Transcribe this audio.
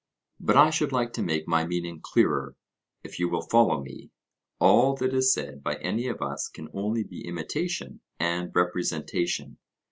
But I should like to make my meaning clearer, if you will follow me. All that is said by any of us can only be imitation and representation.